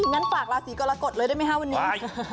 งั้นฝากราศีกรกฎเลยได้ไหมคะวันนี้